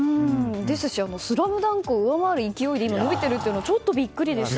ですし「ＳＬＡＭＤＵＮＫ」を上回る勢いで伸びているというのはちょっとビックリでしたね。